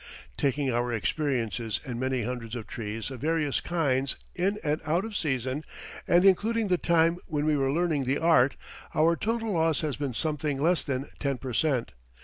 Taking our experiences in many hundreds of trees of various kinds in and out of season, and including the time when we were learning the art, our total loss has been something less than 10 per cent.